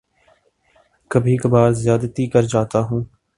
کبھی کبھار زیادتی کر جاتا ہوں